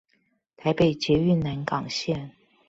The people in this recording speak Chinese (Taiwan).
台北捷運南港線